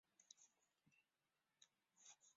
布什主张要大幅减税以解决剩余的预算。